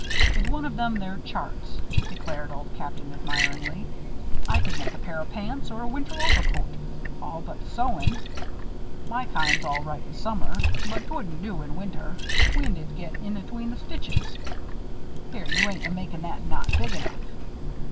"With one of them there charts," declared Old Captain, admiringly, "I could make a pair o' pants or a winter overcoat all but the sewin'. My kind's all right in summer; but 'twouldn't do in winter wind'd get in atween the stitches. Here, you ain't makin' that knot big enough!"